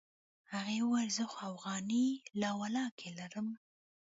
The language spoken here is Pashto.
هغه وويل زه خو اوغانۍ لا ولله که لرم.